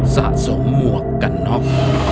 สะสมหมวกกันน็อก